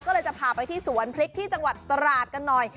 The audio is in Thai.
ก็เลยจะพาไปที่สวนพริกที่จังหวัดตราดกันหน่อย